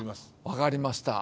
分かりました。